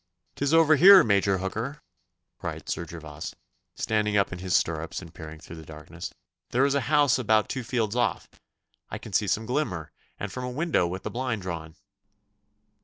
'Tis over there, Major Hooker,' cried Sir Gervas, standing up in his stirrups and peering through the darkness. 'There is a house about two fields off. I can see some glimmer, as from a window with the blind drawn.